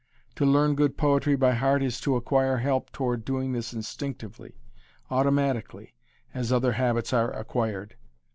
To learn good poetry by heart is to acquire help toward doing this instinctively, automatically, as other habits are acquired.